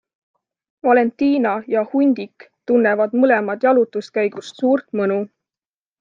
Valentina ja Hundik tunnevad mõlemad jalutuskäigust suurt mõnu.